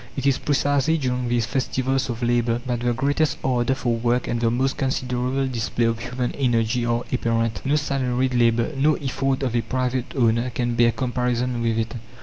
It is precisely during these festivals of labour that the greatest ardour for work and the most considerable display of human energy are apparent. No salaried labour, no effort of a private owner can bear comparison with it.